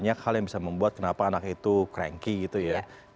banyak hal yang bisa membuat kenapa anak itu cranky gitu ya